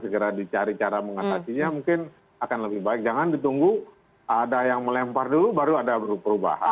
segera dicari cara mengatasinya mungkin akan lebih baik jangan ditunggu ada yang melempar dulu baru ada perubahan